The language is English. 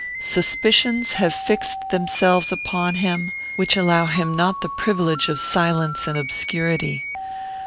Suspicions have fixed themselves upon him, which allow him not the privilege of silence and obscurity.